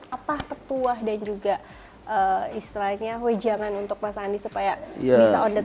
apa ketuah dan juga istrinya hujangan untuk pak zandi supaya bisa on the track